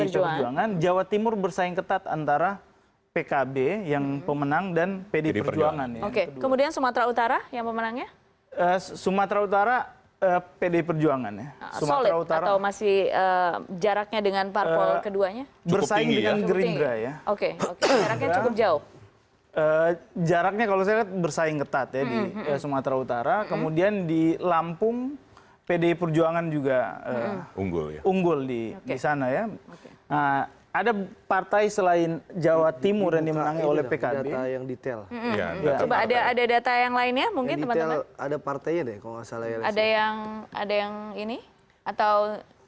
cawapres yang memang representasinya itu